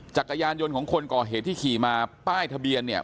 จักรยานยนต์ของคนก่อเหตุที่ขี่มาป้ายทะเบียนเนี่ย